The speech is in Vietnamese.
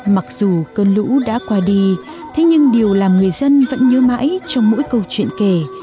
mặc dù cơn lũ đã qua đi thế nhưng điều làm người dân vẫn nhớ mãi trong mỗi câu chuyện kể